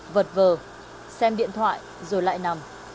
vật vờ xem điện thoại rồi lại nằm